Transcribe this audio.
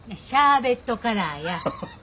シャーベットカラーや。